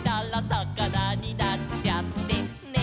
「さかなになっちゃってね」